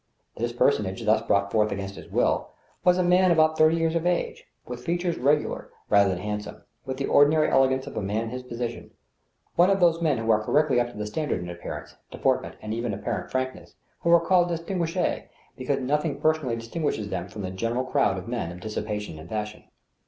This personage, thus brought forward against his will, was a man about thirty years of age, with features regular rather than hand some, with the ordinary elegance of a man in his position — one of those men who are correctly up to the standard in appearance, de portment, and even apparent frankness, who are called ^sttngui because nothing personally distinguishes them from the general crowd of men of dissipation and fashion.